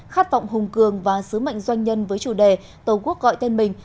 khát vọng hùng cường và sứ mệnh doanh nhân với chủ đề tổ quốc gọi tên mình